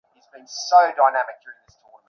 অশ্বারোহী এবং উষ্ট্রারোহীর সংখ্যা অনেক।